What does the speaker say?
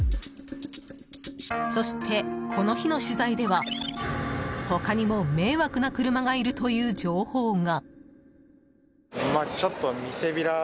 そして、この日の取材では他にも迷惑な車がいるという情報が。